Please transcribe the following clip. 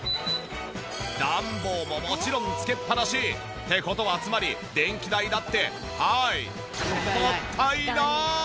暖房ももちろんつけっぱなし。って事はつまり電気代だってはいもったいない！